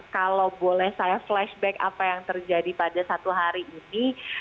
kalau boleh saya flashback apa yang terjadi pada satu hari ini